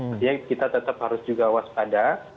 artinya kita tetap harus juga waspada